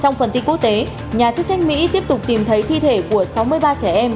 trong phần tin quốc tế nhà chức trách mỹ tiếp tục tìm thấy thi thể của sáu mươi ba trẻ em